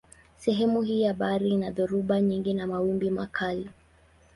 Sehemu hii ya bahari ina dhoruba nyingi na mawimbi makali.